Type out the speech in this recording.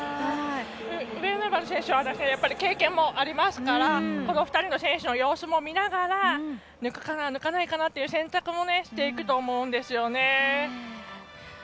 上与那原選手は経験もありますからこの２人の選手の様子も見ながら抜くかな、抜かないかなって選択もしていくと思うんですよね。